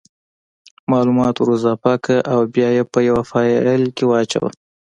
مالومات ور اضافه که او بیا یې په یو فایل کې واچوه